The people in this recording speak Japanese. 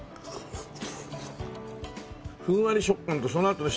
ふんわり食感とそのあとの下の。